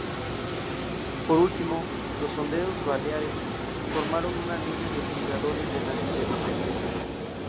Por último, los honderos baleares formaron una línea de hostigadores delante de la infantería.